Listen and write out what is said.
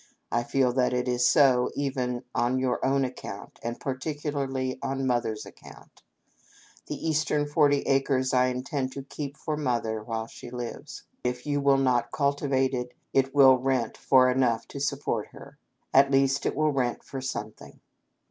I feel that it is so even on your own account, and particularly on Mother's account. The eastern forty acres I intend to keep for Mother while she lives ; 6l8 APPENDIX. if you will not cultivate it, it will rent for enough to support her ; at least it will rent for something.